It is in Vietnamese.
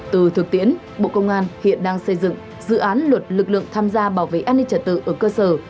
từ thực tiễn bộ công an hiện đang xây dựng dự án luật lực lượng tham gia bảo vệ an ninh trật tự ở cơ sở